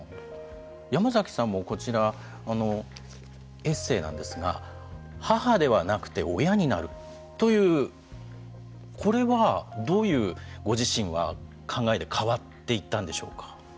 山崎さんも、こちらエッセーなんですが「母ではなくて、親になる」というこれはどういう、ご自身は考えで変わっていったんでしょうか。